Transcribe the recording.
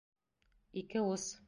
— Ике ус.